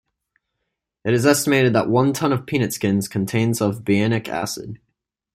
It is estimated that one ton of peanut skins contains of behenic acid.